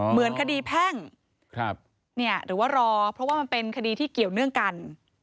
เหมือนคดีแพ่งหรือว่ารอเพราะว่ามันเป็นคดีที่เกี่ยวเนื่องกัน